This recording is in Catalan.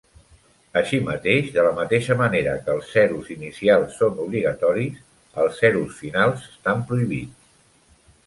Així mateix, de la mateixa manera que els zeros inicials són obligatoris, els zeros finals estan prohibits.